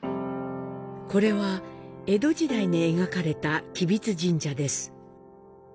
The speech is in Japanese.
これは江戸時代に描かれた吉備津神社です。